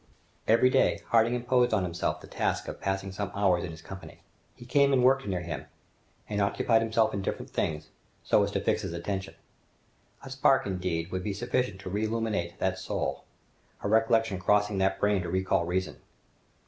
Every day, Harding imposed on himself the task of passing some hours in his company. He came and worked near him, and occupied himself in different things, so as to fix his attention. A spark, indeed, would be sufficient to reillumine that soul, a recollection crossing that brain to recall reason.